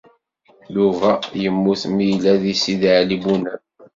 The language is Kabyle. Yuba yemmut mi yella deg Sidi Ɛli Bunab.